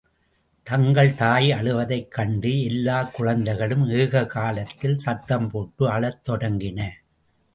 தங்கள் தாய் அழுவதைக் கண்டு, எல்லாக் குழந்தைகளும் ஏக காலத்தில் சத்தம் போட்டு அழத் தொடங்கின.